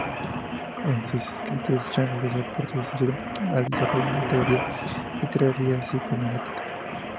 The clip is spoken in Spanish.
En sus escritos, Sachs realizó aportes esenciales al desarrollo de una teoría literaria psicoanalítica.